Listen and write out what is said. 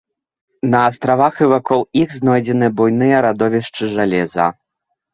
На астравах і вакол іх знойдзены буйныя радовішчы жалеза.